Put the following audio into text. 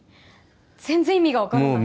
全然意味が分からない